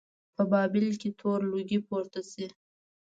په بابل کې تور لوګی پورته شي.